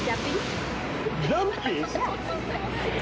ジャンプ？